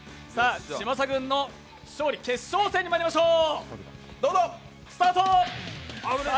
嶋佐軍の決勝戦にまいりましょう。